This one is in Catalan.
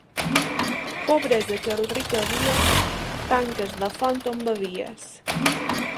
Pobresa que al ric odies, tanques la font on bevies.